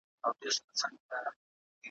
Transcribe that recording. شپه د ژمي هم سړه وه هم تياره وه `